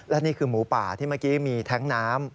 และนี่คือหมูป่าที่เมื่อกี้มีแท้งน้ำ